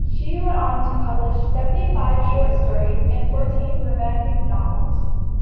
She went on to publish seventy-five short stories and fourteen romantic novels.